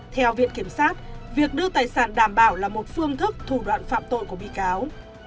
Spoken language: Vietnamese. theo viện kiểm sát việc đưa tài sản đảm bảo là một phương thức thủ đoạn phạm tội của bị cáo